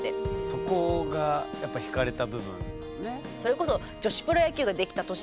そこがやっぱひかれた部分ね。